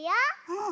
うん。